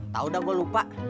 tau dah gua lupa